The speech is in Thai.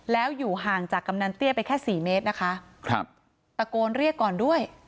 แล้วอยู่ห่างจากกำนันเตี้ยไปแค่สี่เมตรนะคะครับตะโกนเรียกก่อนด้วย